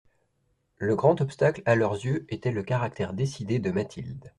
Le grand obstacle, à leurs yeux, était le caractère décidé de Mathilde.